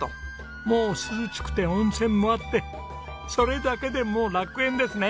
もう涼しくて温泉もあってそれだけでもう楽園ですね！